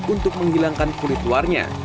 untuk menghilangkan kulit luarnya